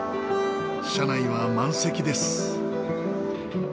車内は満席です。